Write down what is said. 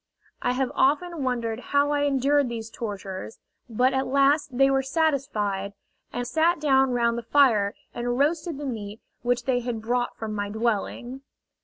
I have often wondered how I endured these tortures; but at last they were satisfied, and sat down round the fire and roasted the meat which they had brought from my dwelling!